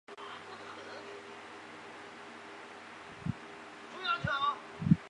用户还可以将任意的文件和文件夹放在里面以便快速访问。